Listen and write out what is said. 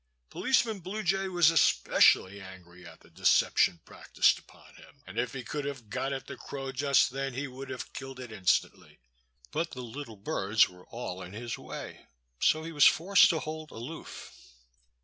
Policeman Blue Jay was especially angry at the deception practiced upon him, and if he could have got at the crow just then he would have killed it instantly. But the little birds were all in his way, so he was forced to hold aloof.